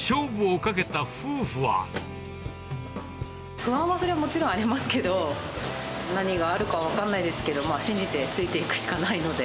不安はそりゃもちろんありますけど、何があるか分かんないですけど、信じてついていくしかないので。